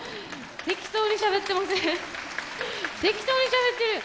適当にしゃべってるよ！